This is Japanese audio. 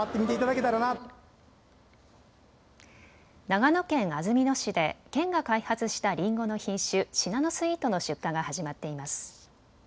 長野県安曇野市で県が開発したりんごの品種シナノスイートの出荷が始まっています。